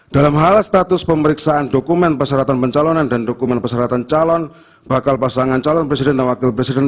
dalam hal status pemeriksaan dokumen persyaratan pencalonan dan dokumen persyaratan calon bakal pasangan calon presiden dan wakil presiden